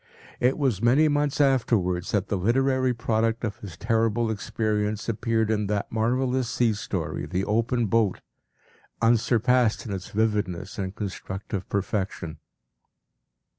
It was many months afterwards that the literary product of his terrible experience appeared in that marvellous sea story “The Open Boat,” unsurpassed in its vividness and constructive perfection.